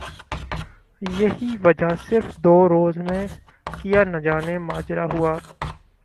یہی وجہ صرف دو روز میں کیا نجانے ماجرہ ہوا